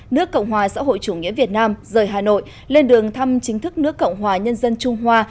nước cộng hòa xã hội chủ nghĩa việt nam rời hà nội lên đường thăm chính thức nước cộng hòa nhân dân trung hoa